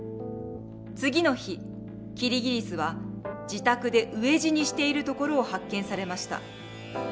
次の日キリギリスは自宅で飢え死にしているところを発見されました。